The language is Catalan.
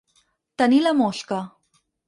Tenir la mosca.